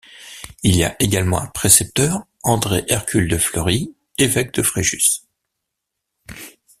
Il y a également un précepteur, André Hercule de Fleury, évêque de Fréjus.